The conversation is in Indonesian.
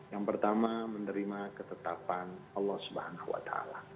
yang pertama menerima ketetapan allah swt